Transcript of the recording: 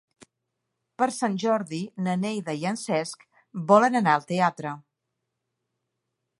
Per Sant Jordi na Neida i en Cesc volen anar al teatre.